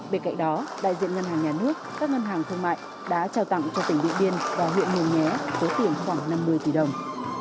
bên cạnh đó đại diện ngân hàng nhà nước các ngân hàng thương mại đã trao tặng cho tỉnh điện biên và huyện mường nhé số tiền khoảng năm mươi tỷ đồng